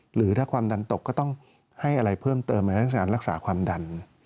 หรือถ้าความดันตกก็ต้องให้อะไรเพิ่มเติมในลักษณะความดัน